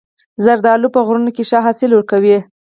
زردالو په غرونو کې ښه حاصل ورکوي.